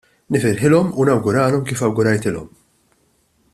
Nifirħilhom u nawguralhom kif awgurajtilhom.